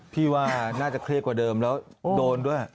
พี่ว่าน่าจะเครียดกว่าเดิมแล้วโดนด้วย